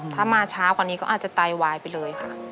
ถ้ามาช้ากว่านี้ก็อาจจะไตวายไปเลยค่ะ